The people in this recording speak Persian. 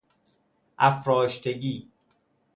افراشتگی